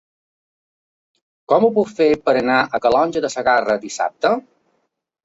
Com ho puc fer per anar a Calonge de Segarra dissabte?